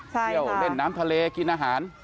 เที่ยวเล่นน้ำทะเลกินอาหาร